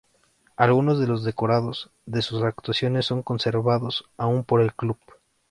Algunos de los decorados de sus actuaciones son conservados aún por el club.